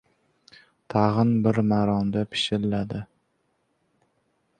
Tag‘in bir maromda pishilladi.